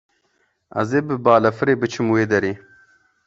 Ez ê bi balafirê biçim wê derê.